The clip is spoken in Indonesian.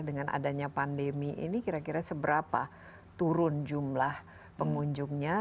dengan adanya pandemi ini kira kira seberapa turun jumlah pengunjungnya